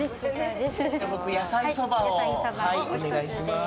僕、野菜そばをお願いします。